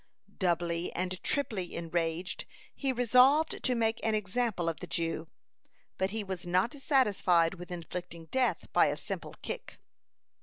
(154) Doubly and triply enraged, he resolved to make an example of the Jew. But he was not satisfied with inflicting death by a simple kick.